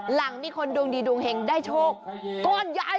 หลังมีคนดวงดีดวงเห็งได้โชคก้อนใหญ่